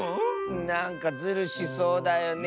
なんかズルしそうだよねえ。